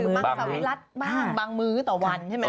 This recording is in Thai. บางสวิรัติบ้างบางมื้อต่อวันใช่ไหมค